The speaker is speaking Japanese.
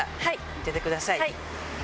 見ててください。